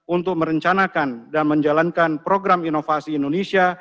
untuk merencanakan dan menjalankan program inovasi indonesia